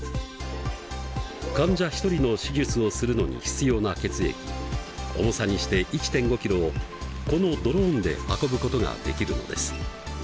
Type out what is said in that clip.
患者一人の手術をするのに必要な血液重さにして１．５キロをこのドローンで運ぶことができるのです。